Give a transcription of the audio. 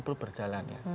belum berjalan ya